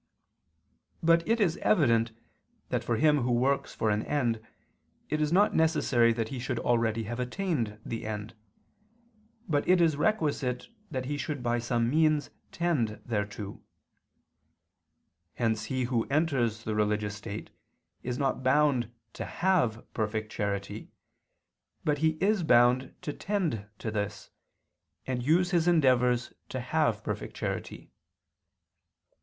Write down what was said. But it is evident that for him who works for an end it is not necessary that he should already have attained the end, but it is requisite that he should by some means tend thereto. Hence he who enters the religious state is not bound to have perfect charity, but he is bound to tend to this, and use his endeavors to have perfect charity.